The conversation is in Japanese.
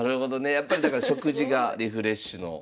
やっぱりだから食事がリフレッシュの。